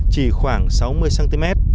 chỉ khoảng sáu đồng